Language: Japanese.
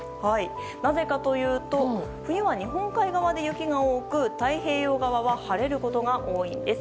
なぜかというと冬は日本海側で雪が多く太平洋側は晴れることが多いんです。